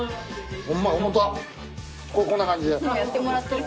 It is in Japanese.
こんな感じで？